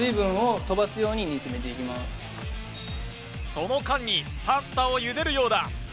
その間にパスタを茹でるようだ